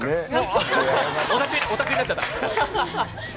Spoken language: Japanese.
おたくになっちゃった。